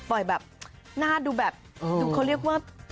ป่อยแบบหน้าดูแบบเขาเรียกว่า